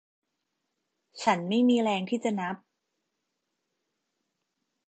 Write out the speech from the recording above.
ฉันไม่มีแรงที่จะนับ